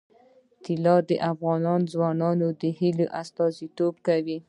طلا د افغان ځوانانو د هیلو استازیتوب کوي.